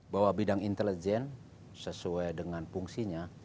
bahwa bidang intelijen sesuai dengan fungsinya